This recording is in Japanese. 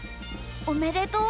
おめでとう！